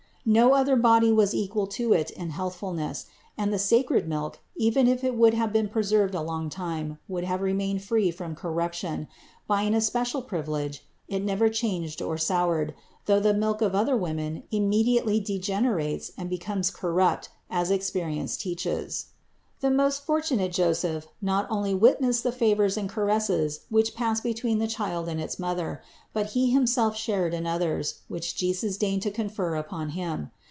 No other body was equal to it in healthf ulness ; and the sacred milk, even if it would have been preserved a long time, would have remained free from corruption; by an especial privilege it never changed or soured, though the milk of other women immediately degenerates and be comes corrupt, as experience teaches. 549. The most fortunate Joseph not only witnessed the favors and caresses which passed between the Child and its Mother; but he himself shared in others, which Jesus deigned to confer upon him.